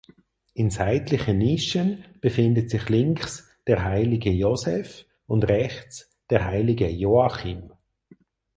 In seitlichen Nischen befindet sich links der Heilige Josef und rechts der Heilige Joachim.